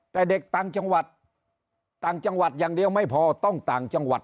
แต่เด็กต่างจังหวัดต่างจังหวัดอย่างเดียวไม่พอต้องต่างจังหวัด